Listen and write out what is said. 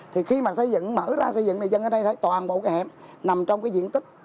thì khi mà xây dựng mở ra xây dựng thì dân ở đây thấy toàn bộ cái hẻm nằm trong cái diện tích